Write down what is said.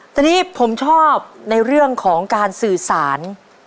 ตอนนี้ผมชอบในเรื่องของการสื่อสาร